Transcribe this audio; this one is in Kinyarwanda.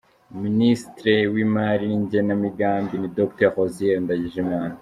Ministre w’imali n’igenamigambi ni Dr Uzziel Ndagijimana